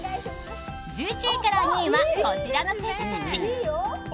１１位から２位はこちらの星座たち。